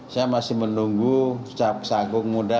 saya masih menunggu sahabat sahabat muda